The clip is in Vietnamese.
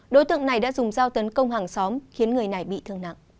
đối tượng này đã dùng dao tấn công hàng xóm khiến người này bị thương nặng